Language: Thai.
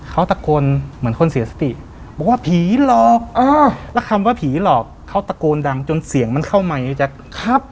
เขาตะโกนเหมือนคนเสียสติบอกว่าผีหลอกแล้วคำว่าผีหลอกเขาตะโกนดังจนเสียงมันเข้ามาอย่างนี้แจ๊คครับ